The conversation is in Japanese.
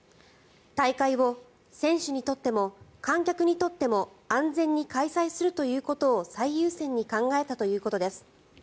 大会を選手にとっても観客にとっても安全に開催するということを最優先に考えたということです。